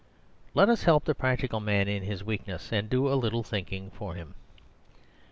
Let us help the Practical Man in his weakness and do a little thinking for him.